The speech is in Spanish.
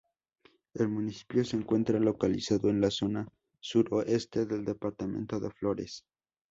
El municipio se encuentra localizado en la zona suroeste del departamento de Flores.